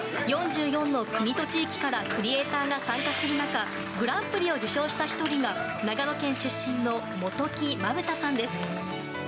４４の国と地域からクリエーターが参加する中グランプリを受賞した１人が長野県出身の本木真武太さんです。